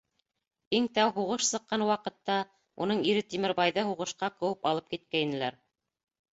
Иң тәү һуғыш сыҡҡан ваҡытта, уның ире Тимербайҙы һуғышҡа ҡыуып алып киткәйнеләр.